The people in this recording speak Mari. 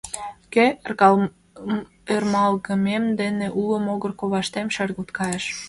— Кӧ? — ӧрмалгымем дене уло могыр коваштем шергылт кайыш.